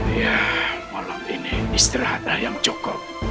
iya malam ini istirahatlah yang cukup